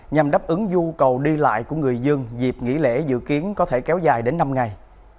nhằm đáp ứng nhu cầu đi lại của người dân dịp nghỉ lễ dự kiến có thể kéo dài đến năm ngày